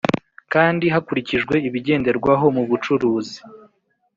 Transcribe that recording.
Kandi hakurikijwe ibigenderwaho mu bucuruzi